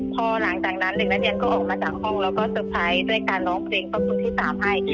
พอหลังจากนั้นเด็กนักเรียนก็ออกมาจากห้องแล้วก็ซับไพรส์ด้วยการล้องเตรียมประกุศที่ตามให้